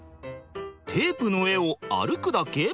テープの上を歩くだけ？